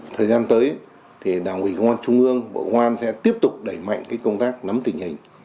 thời gian tới thì đảng ủy công an trung ương bộ ngoan sẽ tiếp tục đẩy mạnh công tác nắm tình hình